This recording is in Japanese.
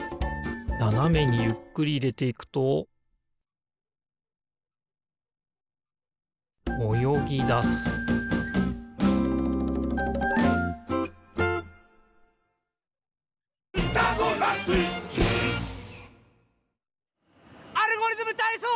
ななめにゆっくりいれていくとおよぎだす「アルゴリズムたいそう」！